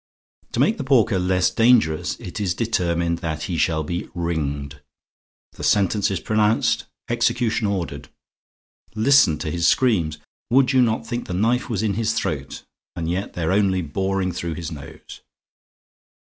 To make the porker less dangerous, it is determined that he shall be RINGED. The sentence is pronounced execution ordered. Listen to his screams! "Would you not think the knife was in his throat? And yet they're only boring through his nose!"